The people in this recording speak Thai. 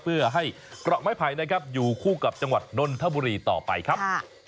เพื่อให้เกราะไม้ไผ่นะครับอยู่คู่กับจังหวัดนนทบุรีต่อไปครับ